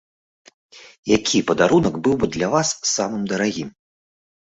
Які падарунак быў бы для вас самым дарагім?